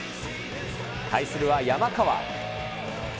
対するは山川。